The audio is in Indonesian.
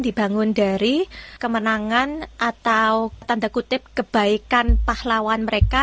dibangun dari kemenangan atau tanda kutip kebaikan pahlawan mereka